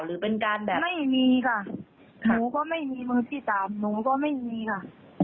หรือเป็นการแบบไม่มีค่ะหนูก็ไม่มีมือที่สามหนูก็ไม่มีค่ะ